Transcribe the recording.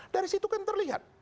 dari situ kan terlihat